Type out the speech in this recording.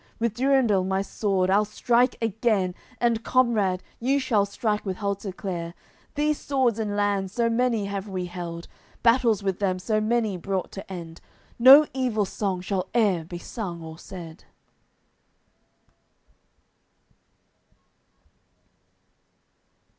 With Durendal my sword I'll strike again, And, comrade, you shall strike with Halteclere. These swords in lands so many have we held, Battles with them so many brought to end, No evil song shall e'er be sung or said."